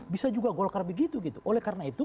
bisa juga golkar begitu oleh karena itu